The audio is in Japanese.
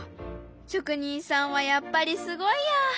職人さんはやっぱりすごいや。